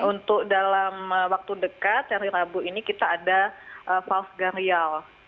untuk dalam waktu dekat dari rabu ini kita ada falsgarial